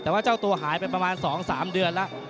แต่ว่าเจ้าตัวหายไปประมาณ๒๓เดือนแล้ว